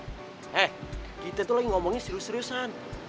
eh kita tuh lagi ngomongin serius seriusan